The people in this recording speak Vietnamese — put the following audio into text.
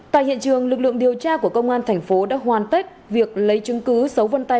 tại hiện trường lực lượng điều tra của công an thành phố đã hoàn tất việc lấy chứng cứ dấu vân tay